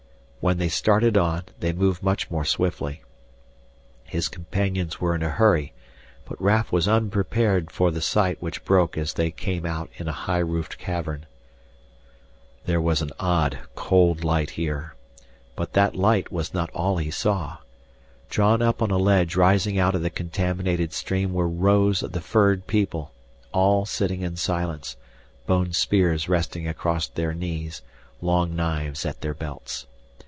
When they started on, they moved much more swiftly. His companions were in a hurry, but Raf was unprepared for the sight which broke as they came out in a high roofed cavern. There was an odd, cold light there but that light was not all he saw. Drawn up on a ledge rising out of the contaminated stream were rows of the furred people, all sitting in silence, bone spears resting across their knees, long knives at their belts.